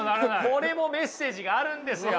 これもメッセージがあるんですよ！